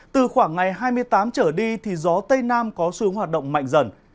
từ khoảng ngày hai mươi tám trở đi thì gió tây nam có xu hướng hoạt động mạnh dần